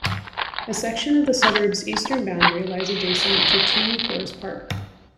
A section of the suburb's eastern boundary lies adjacent to Toohey Forest Park.